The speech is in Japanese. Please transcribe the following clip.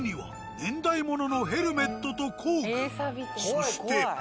そして。